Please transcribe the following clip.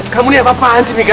kamu ini apa apaan sih mika